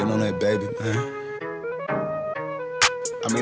selama ini anak anaknya menangkap gue